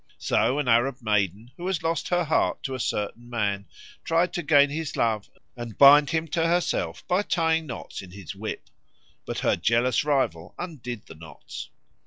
So an Arab maiden, who had lost her heart to a certain man, tried to gain his love and bind him to herself by tying knots in his whip; but her jealous rival undid the knots.